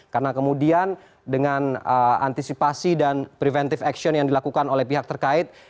karena kemudian dengan antisipasi dan preventive action yang dilakukan oleh pihak terkait